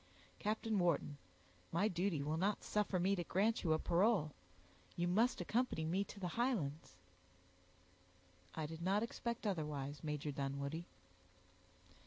Captain Wharton, my duty will not suffer me to grant you a parole; you must accompany me to the Highlands." "I did not expect otherwise, Major Dunwoodie."